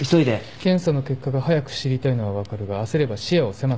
検査の結果が早く知りたいのは分かるが焦れば視野を狭くするだけだ。